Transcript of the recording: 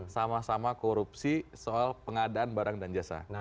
sama sama korupsi soal pengadaan barang dan jasa